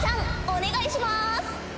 お願いします。